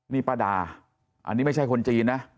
นี่ป้าดาอันนี้ไม่ใช่คนจีนนะ